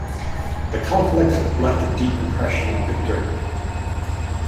This conflict left a deep impression on Victor.